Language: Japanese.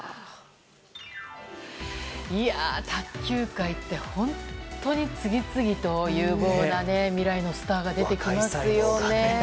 卓球界って本当に次々と有望な未来のスターが出てきますよね。